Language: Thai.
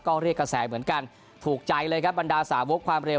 ก็เรียกกระแสเหมือนกันถูกใจเลยครับบรรดาสาวกความเร็ว